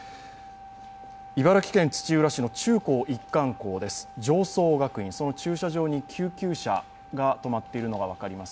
茨城県土浦市の中高一貫校の常総学院、その駐車場に救急車が止まっているのが分かります。